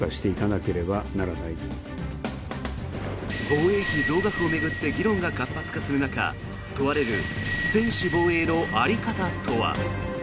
防衛費増額を巡って議論が活発化する中問われる専守防衛の在り方とは。